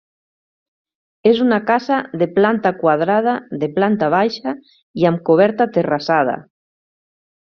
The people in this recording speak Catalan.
És una casa de planta quadrada, de planta baixa i amb coberta terrassada.